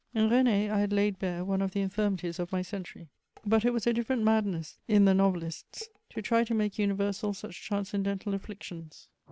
In René I had laid bare one of the infirmities of my century; but it was a different madness in the novelists to try to make universal such transcendental afflictions.